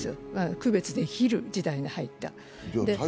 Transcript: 区別できる時代に入った。